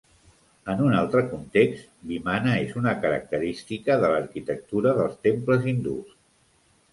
En un altre context, vimana és una característica de l'arquitectura dels temples hindús.